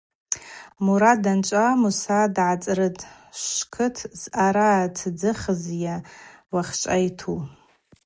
Мурат данчӏва Муса дгӏацӏрытӏ: – Швкыт зъара тдзыхьызйа уахьчӏва йту?